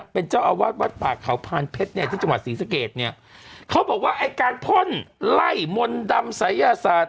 เป็นเจ้าอาวาสวัดป่าเขาพานเพชรเนี่ยที่จังหวัดศรีสเกตเนี่ยเขาบอกว่าไอ้การพ่นไล่มนต์ดำศัยยศาสตร์